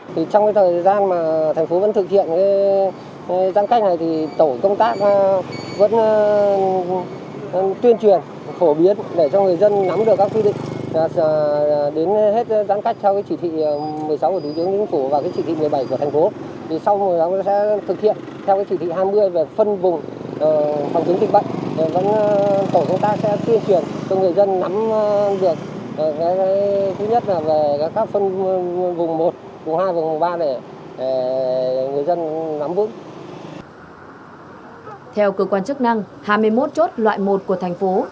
trong thời gian mà thành phố vẫn thực hiện giãn cách này thì tổ công tác vẫn tuyên truyền phổ biến để cho người dân nắm được các quy định đến hết giãn cách theo chỉ thị một mươi sáu của thủ tướng chính phủ và chỉ thị một mươi bảy của thành phố